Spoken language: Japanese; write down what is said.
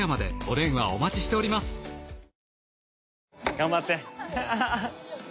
頑張って！